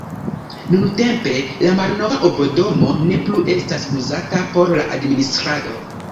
Nuntempe la malnova urbodomo ne plu estas uzata por la administrado.